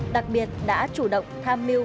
đặc biệt đã chủ động tham mưu